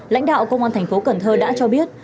lãnh đạo công an tp cần thơ đã cho biết